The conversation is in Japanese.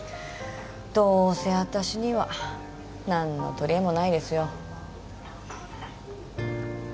どうせ私には何のとりえもないですよ